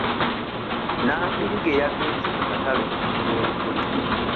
Nambirige yagenze mu katale okugula olugoye.